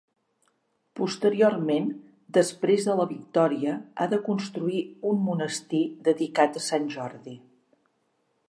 Posteriorment, després de la victòria, ha de construir un monestir dedicat a Sant Jordi.